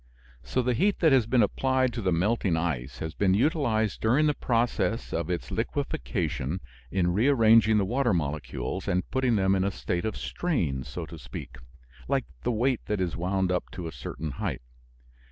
So, the heat that has been applied to the melting ice has been utilized during the process of its liquefaction in rearranging the water molecules and putting them in a state of strain, so to speak, like the weight that is wound up to a certain height.